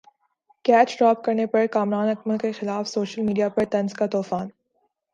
catch drop کرنے پر کامران اکمل کیخلاف سوشل میڈیا پر طنز کا طوفان